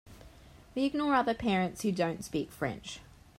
We ignore the other parents who don’t speak French.